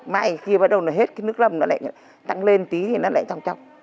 mai khi bắt đầu hết cái nước lầm nó lại tặng lên tí thì nó lại trọng trọng